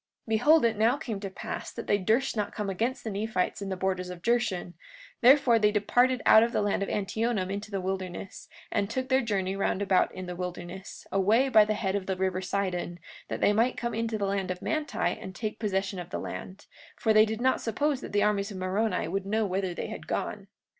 43:22 Behold, now it came to pass that they durst not come against the Nephites in the borders of Jershon; therefore they departed out of the land of Antionum into the wilderness, and took their journey round about in the wilderness, away by the head of the river Sidon, that they might come into the land of Manti and take possession of the land; for they did not suppose that the armies of Moroni would know whither they had gone.